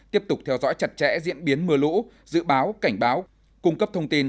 tiếp tục theo dõi chặt chẽ diễn biến mưa lũ dự báo cảnh báo cung cấp thông tin